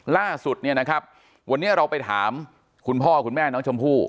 ล่าสุดเนี่ยนะครับวันนี้เราไปถามคุณพ่อคุณแม่น้องชมพู่